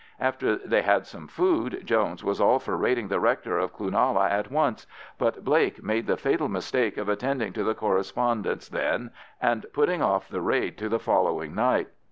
After they had some food, Jones was all for raiding the rector of Cloonalla at once; but Blake made the fatal mistake of attending to the correspondence then, and putting off the raid to the following night.